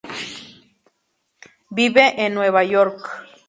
Vive en Nueva York.